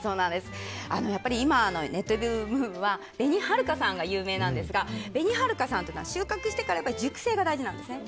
やっぱり今ねっとり系では紅はるかさんが有名なんですが紅はるかさんというのは収穫してから熟成が大事なんですね